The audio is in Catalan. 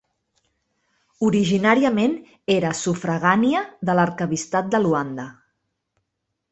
Originàriament era sufragània de l'arquebisbat de Luanda.